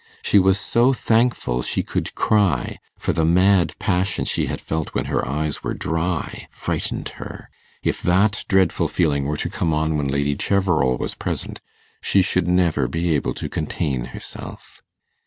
She was so thankful she could cry, for the mad passion she had felt when her eyes were dry frightened her. If that dreadful feeling were to come on when Lady Cheverel was present, she should never be able to contain herself.